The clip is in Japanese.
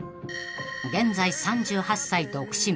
［現在３８歳独身］